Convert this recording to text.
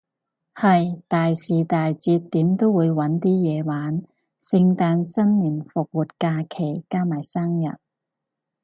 係，大時大節點都會搵啲嘢玩，聖誕新年復活暑假，加埋生日